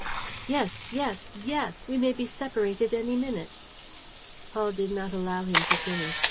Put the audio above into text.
"Yes, yes, yes. We may be separated any minute. ..." Paul did not allow him to finish.